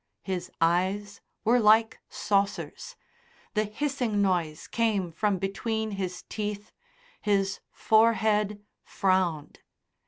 His eyes were like saucers, the hissing noise came from between his teeth, his forehead frowned.